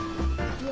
うわ。